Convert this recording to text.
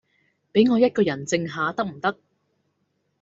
比我一個人靜下得唔得